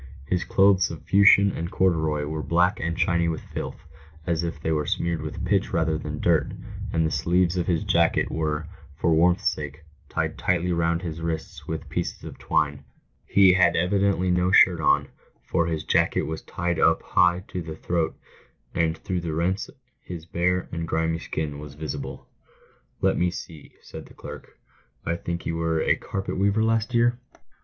His clothes of fustian and corduroy were black and shiny with filth, as if they were smeared *. with pitch rather than dirt, and the sleeves of his jacket were, for warmth's sake, tied tightly round his wrists with pieces of twine. He had evidently no shirt on, for his jacket was tied high up to the throat, and through the rents his bare and grimy skin was visible. " Let me see," said the clerk, " I think you were a carpet weaver last vear ?" 14 PAYED WITH GOLD.